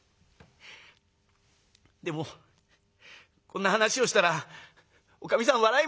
「でもこんな話をしたらおかみさん笑いますから」。